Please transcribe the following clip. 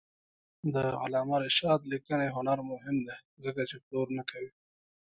د علامه رشاد لیکنی هنر مهم دی ځکه چې پلور نه کوي.